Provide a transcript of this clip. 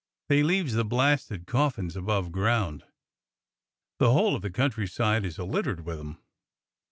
They leaves the blasted coffins above ground. The whole of the countryside is a littered with 'em.